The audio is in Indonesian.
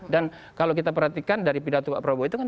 dan kalau kita perhatikan dari pidato pak prabowo itu kan